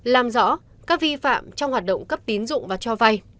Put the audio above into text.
làm rõ các vi phạm trong hoạt động cấp tín dụng và cho vay